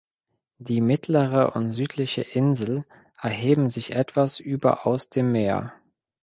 Die mittlere und südliche Insel erheben sich etwas über aus dem Meer.